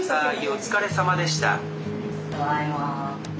ただいま。